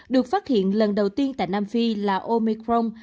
được phát hiện lần đầu tiên tại nam phi là omicron